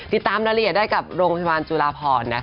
ติดตามรายละเอียดได้กับโรงพยาบาลจุลาพร